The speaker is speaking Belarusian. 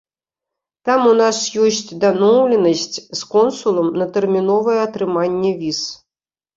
Там у нас ёсць дамоўленасць з консулам на тэрміновае атрыманне віз.